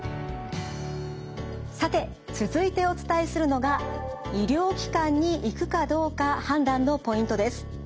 さて続いてお伝えするのが医療機関に行くかどうか判断のポイントです。